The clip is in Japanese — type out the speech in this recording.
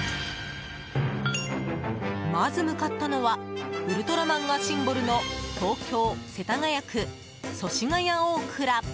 まず向かったのはウルトラマンがシンボルの東京・世田谷区祖師ヶ谷大蔵。